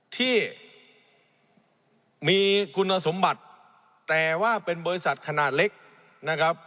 ที่มีคุณสมบัติแต่ว่าเป็นบริษัทขนาดเล็กนะครับ